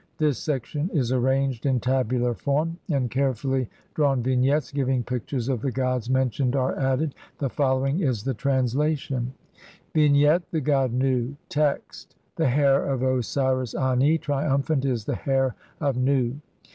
This section is arranged in tabular form, and carefully drawn vignettes giving pictures of the gods mentioned are added ; the following is the translation :— Vignette : The god Nu. Text : (1) The hair of Osiris Ani, triumphant, is the hair of Nu.